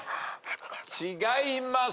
違います。